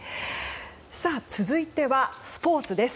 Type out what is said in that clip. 続いてはスポーツです。